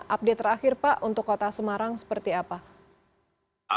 update terakhir pak untuk kota semarang seperti apa